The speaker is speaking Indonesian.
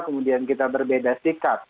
kemudian kita berbeda sikap